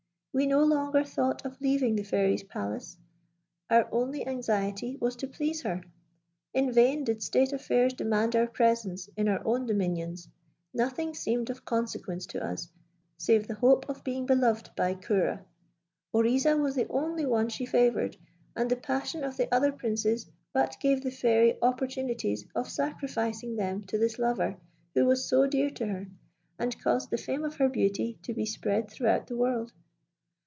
We no longer thought of leaving the Fairy's palace: our only anxiety was to please her. In vain did state affairs demand our presence in our own dominions; nothing seemed of consequence to us save the hope of being beloved by Ceora. Oriza was the only one she favoured, and the passion of the other princes but gave the Fairy opportunities of sacrificing them to this lover who was so dear to her, and caused the fame of her beauty to be spread throughout the world.